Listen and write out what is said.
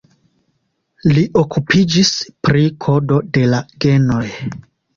Li okupiĝis pri kodo de la genoj.